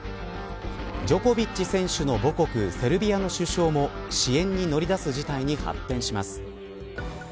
ジョコビッチ選手の母国セルビアの首相も支援に乗り出す事態に発展します。